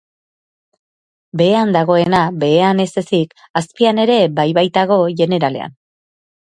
Behean dagoena, behean ez ezik azpian ere bai-baitago jeneralean.